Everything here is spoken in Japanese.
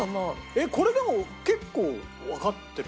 えっこれでも結構わかってる？